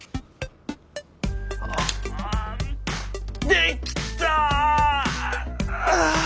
できた！